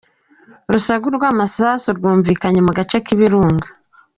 Urusaku rw’amasasu rwumvikanye mu gace k’ibirunga